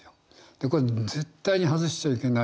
でこれ絶対に外しちゃいけない。